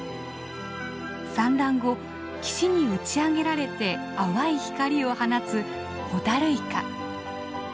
産卵後岸に打ち上げられて淡い光を放つホタルイカ。